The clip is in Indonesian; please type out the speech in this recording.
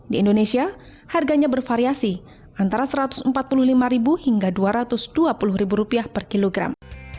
di indonesia harganya bervariasi antara rp satu ratus empat puluh lima hingga rp dua ratus dua puluh per kilogram